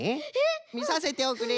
みさせておくれ！